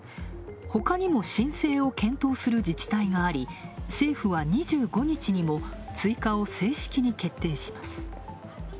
ほかにも申請を検討する自治体があり政府は２５日にも追加を正式に決定します。